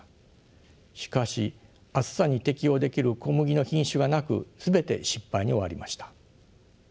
しかし暑さに適応できる小麦の品種がなく全て失敗に終わりました。